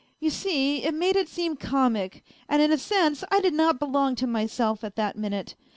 " You see, it made it seem comic : and in a sense I did not belong to myself at that minute.